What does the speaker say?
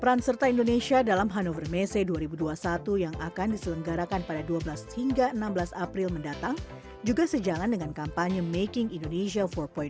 peran serta indonesia dalam hannover messe dua ribu dua puluh satu yang akan diselenggarakan pada dua belas hingga enam belas april mendatang juga sejalan dengan kampanye making indonesia empat